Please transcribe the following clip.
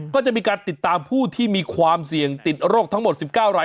ก็จะมีการติดตามผู้ที่มีความเสี่ยงติดโรคทั้งหมด๑๙ราย